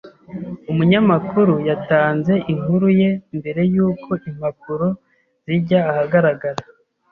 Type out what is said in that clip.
Umunyamakuru yatanze inkuru ye mbere yuko impapuro zijya ahagaragara.